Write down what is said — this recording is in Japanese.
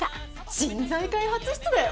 人材開発室だよ！